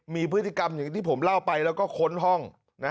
มีพฤติกรรมอย่างที่ผมเล่าไปแล้วก็ค้นห้อง